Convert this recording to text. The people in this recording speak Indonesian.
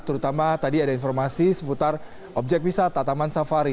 terutama tadi ada informasi seputar objek wisata taman safari